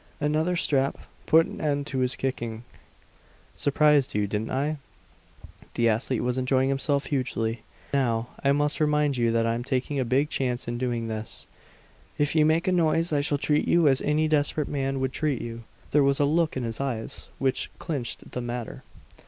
Another strap put an end to his kicking. "Surprised you, didn't I?" The athlete was enjoying himself hugely. "Now I must remind you that I'm taking a big chance in doing this. If you make a noise, I shall treat you as any desperate man would treat you!" There was a look in his eyes which clinched the matter.